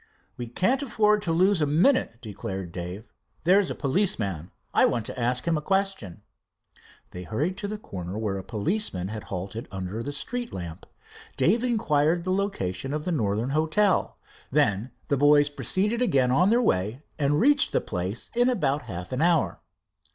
"We can't afford to lose a minute," declared Dave. "There's a policeman. I want to ask him a question." They hurried to a corner where a policeman had halted under the street lamp. Dave inquired the location of the Northern Hotel. Then the boys proceeded again on their way, and reached the place in about half an hour.